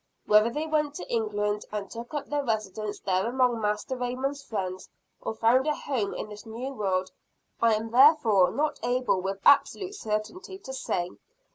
Whether they went to England, and took up their residence there among Master Raymond's friends, or found a home in this new world, I am therefore not able with absolute certainty to say.